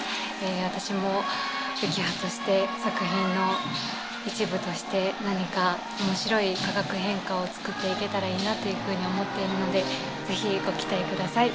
私も幸葉として作品の一部として何か面白い化学変化をつくっていけたらいいなと思っているのでぜひご期待ください。